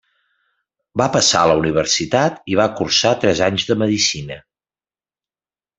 Va passar a la Universitat i va cursar tres anys de Medicina.